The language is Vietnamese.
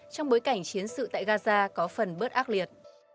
trong bối cảnh chiến sự tại gaza có phần bớt ác liệt